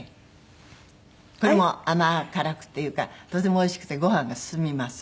これも甘辛くっていうかとてもおいしくてご飯が進みます。